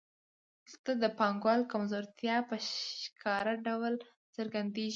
دلته د پانګوال کمزورتیا په ښکاره ډول څرګندېږي